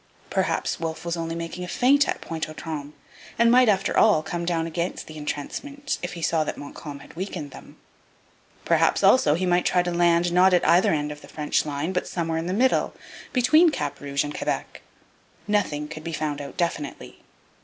Perhaps Wolfe was only making a feint at Pointe aux Trembles, and might, after all, come down against the entrenchments if he saw that Montcalm had weakened them. Perhaps, also, he might try to land, not at either end of the French line, but somewhere in the middle, between Cap Rouge and Quebec. Nothing could be found out definitely.